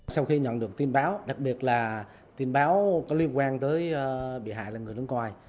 sau khi nhận được tin báo đặc biệt là tin báo có liên quan tới bị hại là người nước ngoài